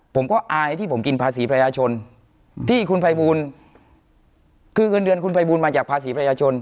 ผมก็อายที่ผมกินภาษีประชาชนที่คุณภัยบูลคือเงินเดือนคุณภัยบูลมาจากภาษีประชาชน